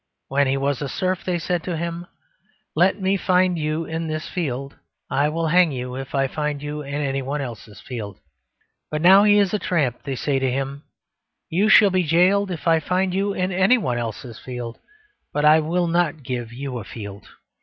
When he was a serf, they said to him, "Let me find you in this field: I will hang you if I find you in anyone else's field." But now he is a tramp they say to him, "You shall be jailed if I find you in anyone else's field: but I will not give you a field."